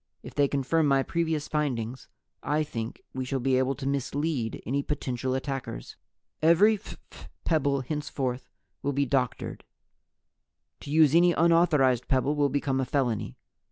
If they confirm my previous findings, I Think We shall be able to mislead any potential attackers. "Every phph pebble henceforth will be doctored. To use any unauthorized pebble will become a felony.